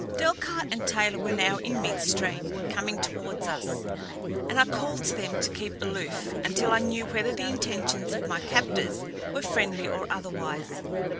Delcarte and Taylor were now in mid stream, coming toward us, and I called to them to keep aloof until I knew whether the intentions of my captors were friendly or otherwise.